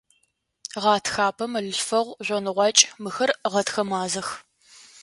Гъэтхапэ, мэлылъфэгъу, жъоныгъуакӀ – мыхэр гъэтхэ мазэх.